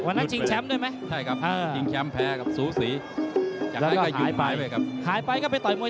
วันนั้นโชงแชมป์ด้วยมั้ย